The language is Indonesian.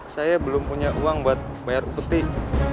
saya tidak memiliki uang untuk membayar suruhan implemented